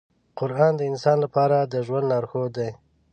قرآن د انسان لپاره د ژوند لارښود دی.